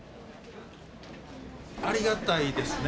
ありがたいですね。